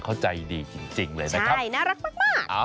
เขาใจดีจริงเลยนะครับใช่น่ารักมาก